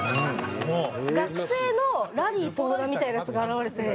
学生のラリー遠田みたいなヤツが現れて。